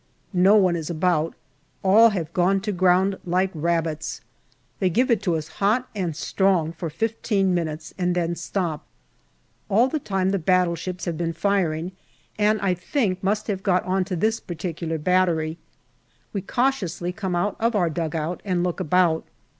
No one is about ; all have gone to ground like rabbits. They give it us hot and strong for fifteen minutes, and then stop. All the time the battleships have been firing, and I think must have got on to this particular battery. We cautiously come out of our dugout and look about.